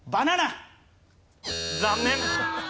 残念！